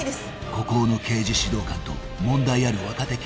［孤高の刑事指導官と問題ある若手刑事